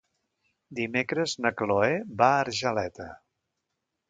Dimecres na Chloé va a Argeleta.